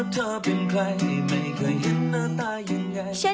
เช่นดี